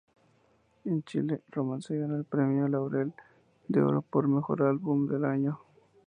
En Chile, "Romance" ganó el premio Laurel de Oro por mejor álbum del año.